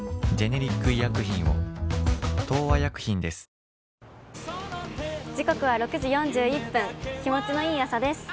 洗剤は時刻は６時４１分、気持ちのいい朝です。